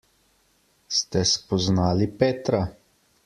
Ste spoznali Petra?